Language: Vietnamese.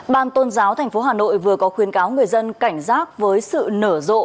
ban tôn giáo tp hà nội vừa có khuyến cáo người dân cảnh giác với sự nở rộ